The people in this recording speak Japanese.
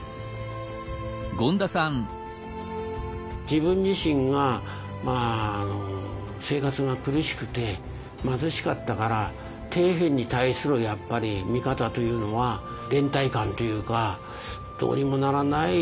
自分自身が生活が苦しくて貧しかったから底辺に対する見方というのは連帯感というかどうにもならない